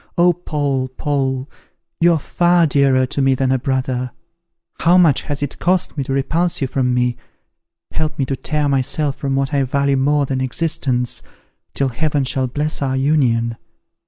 Oh, Paul, Paul! you are far dearer to me than a brother! How much has it cost me to repulse you from me! Help me to tear myself from what I value more than existence, till Heaven shall bless our union.